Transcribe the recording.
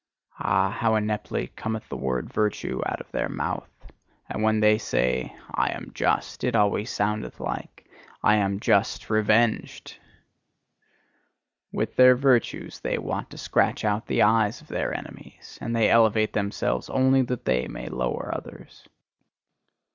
Ah! how ineptly cometh the word "virtue" out of their mouth! And when they say: "I am just," it always soundeth like: "I am just revenged!" With their virtues they want to scratch out the eyes of their enemies; and they elevate themselves only that they may lower others.